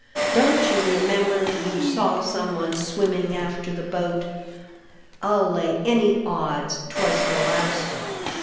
Don't you remember you saw some one swimming after the boat? I'll lay any odds 'twas the lascar.